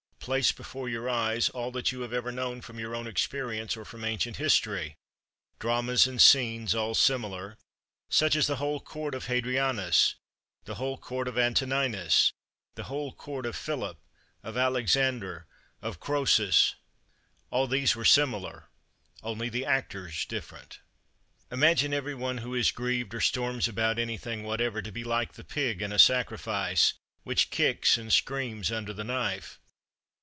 Place before your eyes all that you have ever known from your own experience or from ancient history; dramas and scenes, all similar; such as the whole court of Hadrianus, the whole court of Antoninus, the whole court of Philip, of Alexander, of Croesus. All these were similar, only the actors different. 28. Imagine every one who is grieved or storms about anything whatever, to be like the pig in a sacrifice, which kicks and screams under the knife.